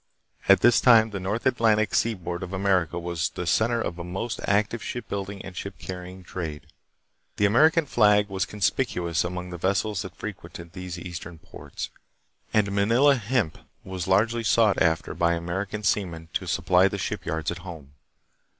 At this time the North Atlantic seaboard of America was the center of a most active ship building and ship carrying trade. The American flag was conspicuous among the vessels that frequented these Eastern ports, and " Ma nila hemp" was largely sought after by American sea men to supply the shipyards at home.